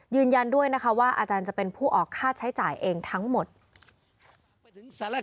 ยืนยันด้วยนะคะว่าอาจารย์จะเป็นผู้ออกค่าใช้จ่ายเองทั้งหมด